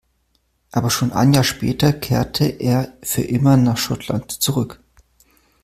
Aber schon ein Jahr später kehrte er für immer nach Schottland zurück.